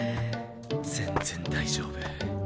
全然大丈夫。